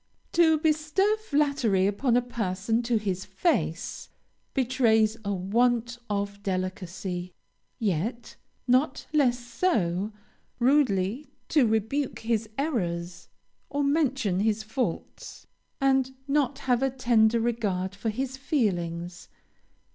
To bestow flattery upon a person to his face, betrays a want of delicacy; yet, not less so, rudely to rebuke his errors or mention his faults, and not have a tender regard for his feelings.